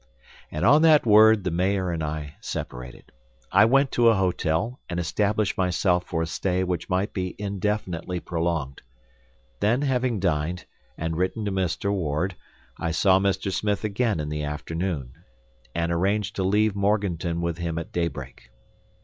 And on that word the mayor and I separated. I went to a hotel, and established myself for a stay which might be indefinitely prolonged. Then having dined, and written to Mr. Ward, I saw Mr. Smith again in the afternoon, and arranged to leave Morganton with him at daybreak.